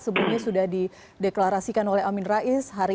sebelumnya sudah dideklarasikan oleh amin rais